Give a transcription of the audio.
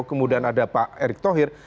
kemudian ada pak erick thohir